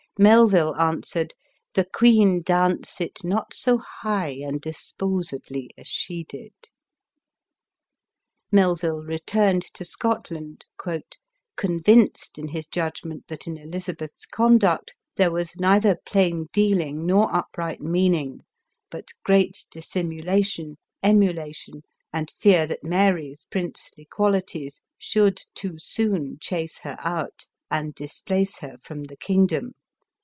Melville an swered, " The queen dancit not so high and disposedly as she did." Melville returned to Scotland, " convinc ed in his judgment that in Elizabeth's conduct there was neither plain dealing nor upright meaning, but great dissimulation, emulation, and fear that Mary's princely qualities should too soon chase her out, and displace her from the kingdom."